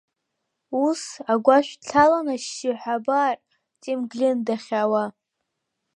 Ус, агәашә дҭалан ашьшьыҳәа Абар, Тем Глен дахьаауа.